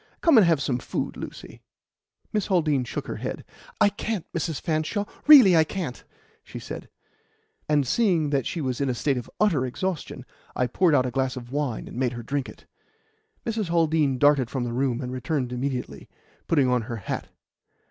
Come and have some food, Lucy." Miss Haldean shook her head. "I can't, Mrs. Hanshaw really I can't," she said; and, seeing that she was in a state of utter exhaustion, I poured out a glass of wine and made her drink it. Mrs. Haldean darted from the room, and returned immediately, putting on her hat.